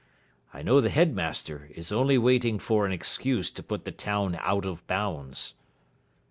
I know the headmaster is only waiting for an excuse to put the town out of bounds.'